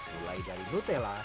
mulai dari nutella